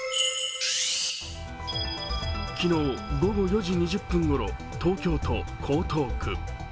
昨日午後４時２０分ごろ、東京都江東区。